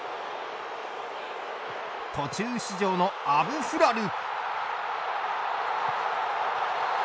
途中出場のアブフラル。